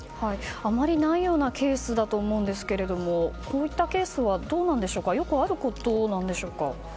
あまりないようなケースだと思いますがこういったケースはよくあることなんでしょうか？